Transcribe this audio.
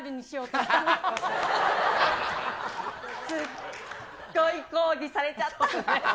すっごい抗議されちゃった。